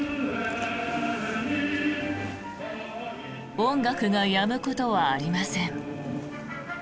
音楽がやむことはありません。